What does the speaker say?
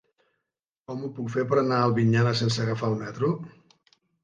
Com ho puc fer per anar a Albinyana sense agafar el metro?